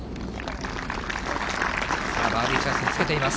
バーディーチャンスにつけています。